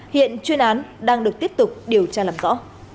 hiện chuyên án đang được tiếp tục điều tra làm rõ